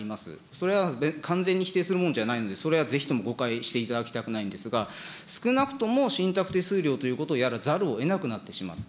それは完全に否定するもんじゃないんで、それはぜひとも誤解していただきたくないんですが、少なくとも信託手数料ということをやらざるをえなくなってしまった。